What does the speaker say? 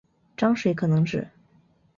章水可能指